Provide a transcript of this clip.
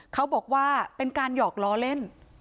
เขาบอกว่าเป็นการหยอกล้อเล่น